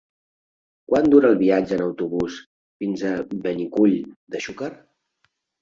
Quant dura el viatge en autobús fins a Benicull de Xúquer?